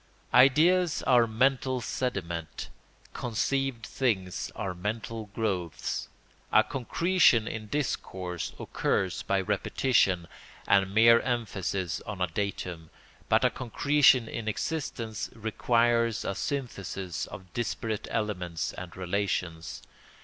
] Ideas are mental sediment; conceived things are mental growths. A concretion in discourse occurs by repetition and mere emphasis on a datum, but a concretion in existence requires a synthesis of disparate elements and relations.